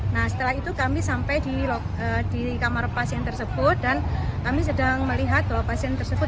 nah setelah itu kami sampai di kamar pasien tersebut dan kami sedang melihat bahwa pasien tersebut